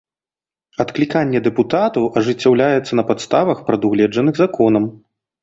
Адкліканне дэпутатаў ажыццяўляецца па падставах, прадугледжаных законам.